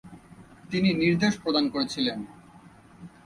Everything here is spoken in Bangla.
তিনি নির্দেশ প্রদান করেছিলেন।